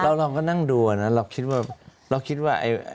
เราลองก็นั่งดูอ่ะนะเราคิดว่า